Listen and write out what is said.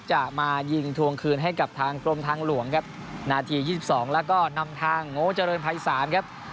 จะมายิงทวงคืนให้กับทางกรมทางหลวงครับนาที๒๒แล้วก็นำทางโง่เจริญภัยศาลครับ